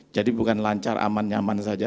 jadi bukan lancar aman nyaman saja